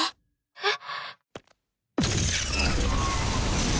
えっ？